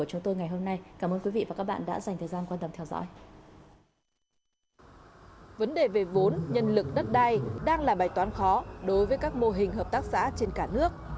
đối với các mô hình hợp tác xã trên cả nước